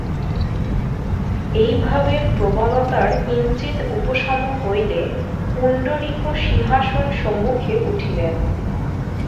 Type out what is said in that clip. এই ভাবের প্রবলতার কিঞ্চিৎ উপশম হইলে পুণ্ডরীক সিংহাসনসম্মুখে উঠিলেন।